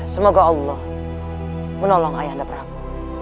semoga allah menolong ayah anda pramu